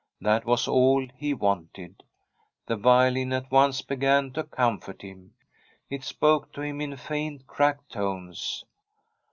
That was all he wanted. The violin at once began to comfort him ; it spoke to him in faint, cracked tones.